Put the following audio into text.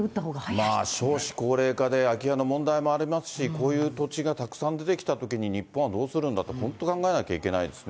まあ、少子高齢化で空き家の問題もありますし、こういう土地がたくさん出てきたときに、日本はどうするんだと、本当、考えなきゃいけないですね。